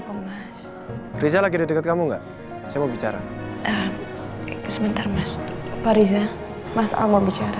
pemas riza lagi deket kamu enggak saya mau bicara sebentar mas riza mas al mau bicara